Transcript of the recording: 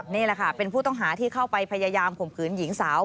นี่แหละค่ะเป็นผู้ต้องหาที่เข้าไปพยายามข่มขืนหญิงสาว